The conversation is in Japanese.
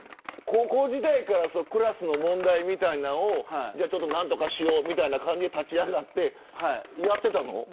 高校時代からクラスの問題みたいなものを何とかしようみたいな感じで立ち上がってやってたの。